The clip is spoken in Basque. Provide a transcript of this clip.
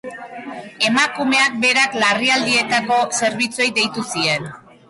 Emakumeak berak larrialdietako zerbitzuei deitu zien.